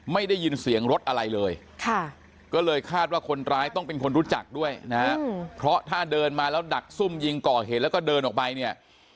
ไม่ได้ยินเสียงรถอะไรเลยก็เลยคาดว่าคนร้ายต้องเป็นคนรู้จักด้วยนะฮะเพราะถ้าเดินมาแล้วดักซุ่มยิงก่อเหตุแล้วก็เดินออกไปเนี่ย